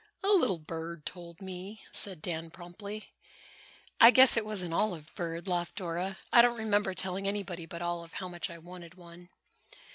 "A little bird told me," said Dan promptly. "I guess it was an Olive bird," laughed Dora. "I don't remember telling anybody but Olive how much I wanted one."